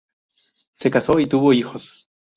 Se casó y tuvo hijos.